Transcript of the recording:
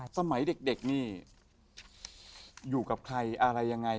สมัยเด็กนี่อยู่กับใครอะไรยังไง